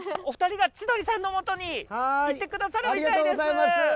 お二人が千鳥さんのもとに行ってくださるみたいです！